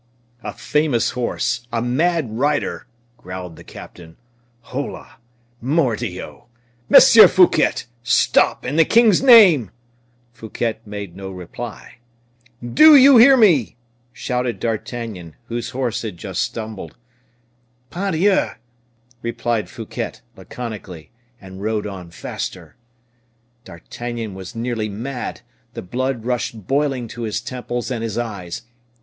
"A famous horse! a mad rider!" growled the captain. "Hola! mordioux! Monsieur Fouquet! stop! in the king's name!" Fouquet made no reply. "Do you hear me?" shouted D'Artagnan, whose horse had just stumbled. "Pardieu!" replied Fouquet, laconically; and rode on faster. D'Artagnan was nearly mad; the blood rushed boiling to his temples and his eyes.